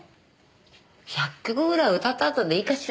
１００曲ぐらい歌った後でいいかしら？